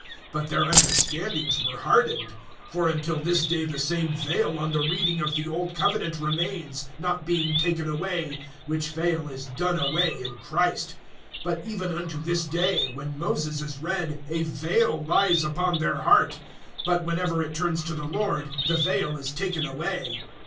(14)But their understandings were hardened; for until this day the same vail on the reading of the old covenant remains, not being taken away; which vail is done away in Christ[3:14]. (15)But even unto this day, when Moses is read, a vail lies upon their heart. (16)But whenever it turns to the Lord, the vail is taken away.